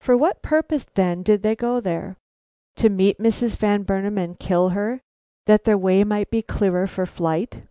For what purpose, then, did they go there? To meet Mrs. Van Burnam and kill her, that their way might be clearer for flight?